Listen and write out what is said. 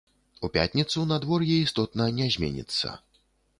У пятніцу надвор'е істотна не зменіцца.